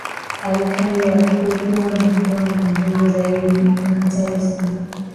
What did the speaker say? al Kaida kukua na kuwa na nguvu zaidi na hatari sana